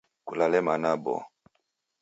Kulale mana aboo.